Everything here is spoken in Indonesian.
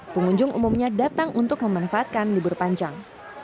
pengunjung umumnya datang untuk memanfaatkan libur panjang